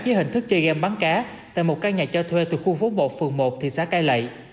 dưới hình thức chơi game bắn cá tại một căn nhà cho thuê từ khu phố một phường một thị xã cai lậy